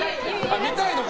見たいのか。